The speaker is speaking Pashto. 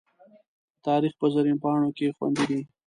د تاریخ په زرینو پاڼو کې خوندي دي.